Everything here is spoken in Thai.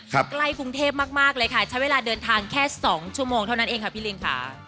ใกล้กรุงเทพมากเลยค่ะใช้เวลาเดินทางแค่๒ชั่วโมงเท่านั้นเองค่ะพี่ลิงค่ะ